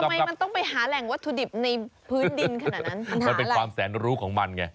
ทำไมมันต้องไปหาแหล่งวัตถุดิบในพื้นดินขนาดนั้นมันเป็นความแสนรู้ของมันไง